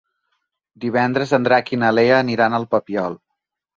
Divendres en Drac i na Lea aniran al Papiol.